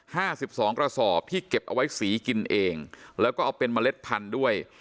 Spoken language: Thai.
สิบสองกระสอบที่เก็บเอาไว้สีกินเองแล้วก็เอาเป็นเมล็ดพันธุ์ด้วย